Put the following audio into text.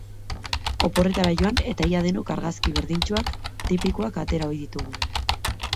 Oporretara joan eta ia denok argazki berdintsuak, tipikoak atera ohi ditugu.